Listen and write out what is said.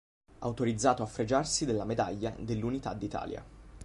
Autorizzato a fregiarsi della Medaglia dell'Unità d'Italia.